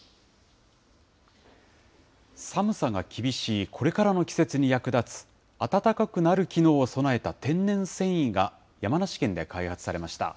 寒さが厳しいこれからの季節に役立つあたたかくなる機能を備えた天然繊維が山梨県で開発されました。